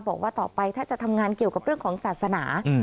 บอกว่าต่อไปถ้าจะทำงานเกี่ยวกับเรื่องของศาสนา